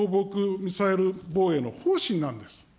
ミサイル防衛の方針なんです。